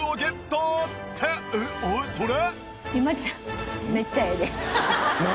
あっ？それ！？